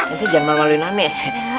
itu jangan malu maluin aneh